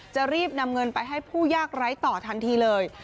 จะรีบนำเงินไปให้ผู้ยากไร้ต่อทันทีเลย